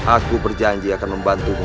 aku berjanji akan membantumu